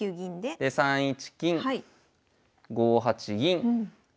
で３一金５八銀。